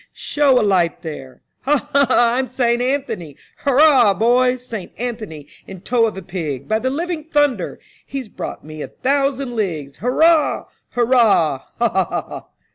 Show a light there. Ha! ha! ha! I'm Saint Anthony. Hurrah ! boys. Saint Anthony in tow of a pig, by the living thunder ! He's brought me a thousand leagues. Hurrah! hurrah! Ha! ha! ha